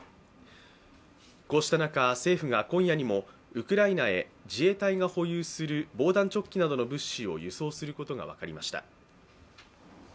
こうした中、政府が今夜にもウクライナへ自衛隊が保有する防弾チョッキなどの物資を輸送することが分かりました。